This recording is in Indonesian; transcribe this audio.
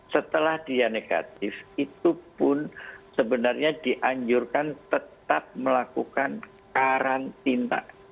setelah dia negatif itu pun sebenarnya dianjurkan tetap melakukan karantina